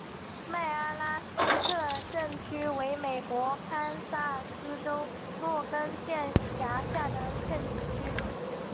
麦阿拉斯特镇区为美国堪萨斯州洛根县辖下的镇区。